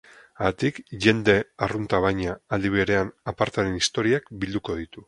Haatik, jende arrunta baina, aldi berean, apartaren historiak bilduko ditu.